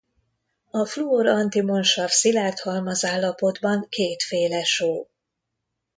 A fluor-antimonsav szilárd halmazállapotban kétféle só.